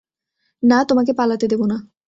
না, তোমাকে পালাতে দেব না।